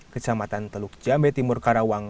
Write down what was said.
kecamatan teluk jambe timur karawang